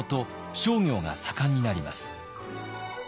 商業が盛んになります。